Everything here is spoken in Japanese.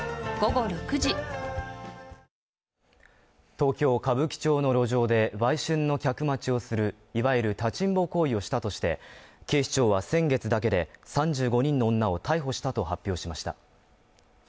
東京歌舞伎町の路上で売春の客待ちをする、いわゆる立ちんぼ行為をしたとして警視庁は先月だけで３５人の女を逮捕したと発表しました。